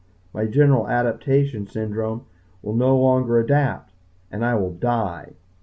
My general adaptation syndrome will no longer adapt. And I will die.